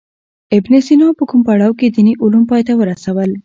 ابن سینا په کوم پړاو کې دیني علوم پای ته ورسول.